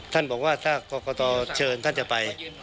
ท่านบอกว่าถ้ากรกตเชิญท่านจะไป